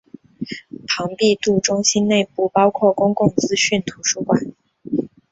庞毕度中心内部包括公共资讯图书馆。